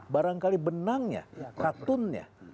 barangkali benangnya katunnya